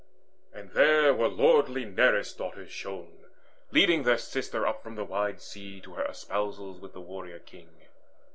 And there were lordly Nereus' Daughters shown Leading their sister up from the wide sea To her espousals with the warrior king.